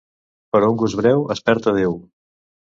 Per un gust breu es perd a Déu.